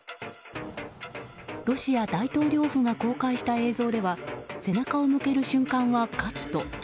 ロシア大統領府が公開した映像では背中を向ける瞬間はカット。